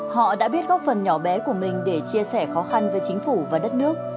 họ đã biết góp phần nhỏ bé của mình để chia sẻ khó khăn với chính phủ và đất nước